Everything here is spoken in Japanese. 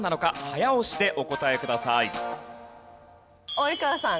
及川さん。